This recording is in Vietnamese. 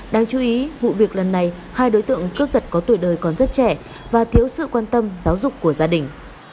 đáng chú ý vụ việc lần này hai đối tượng cướp giật có tuổi đời còn rất trẻ và thiếu sự quan tâm giáo dục của gia đình